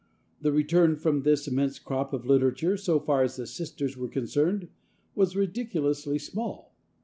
The return from this immense crop of literature, so far as the Sisters were concerned, was ridiculously small.